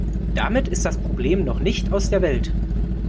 Damit ist das Problem noch nicht aus der Welt.